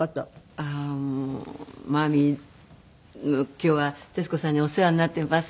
マミー今日は徹子さんにお世話になっています。